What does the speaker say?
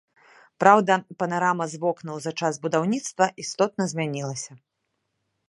Праўда, панарама з вокнаў за час будаўніцтва істотна змянілася.